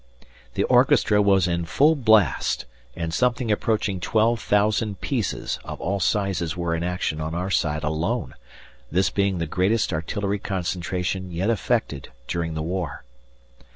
The orchestra was in full blast and something approaching 12,000 pieces of all sizes were in action on our side alone, this being the greatest artillery concentration yet effected during the war.